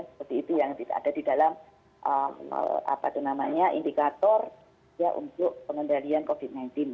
seperti itu yang ada di dalam apa itu namanya indikator ya untuk pengendalian covid sembilan belas